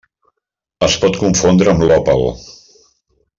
Es pot confondre amb l'òpal.